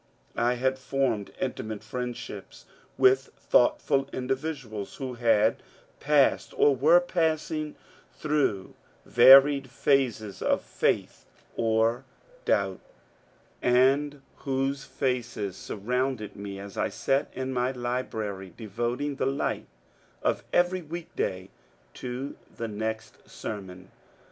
I had formed intimate friendships with thoughtful indiyiduals who had passed or were passing through yaried phases of faith or doubt, A QUESTION OF CONSCIENCE 249 and whose faces surrounded me as I sat in my library devot ing the light of every week day to the next sermon.